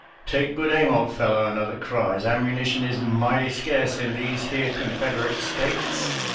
" Take good aim, old fellow," another cries ;" ammunition is mighty scarce in these here Confederate States."